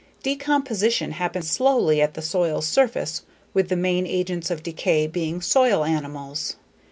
Decomposition happens slowly at the soil's surface with the main agents of decay being soil animals.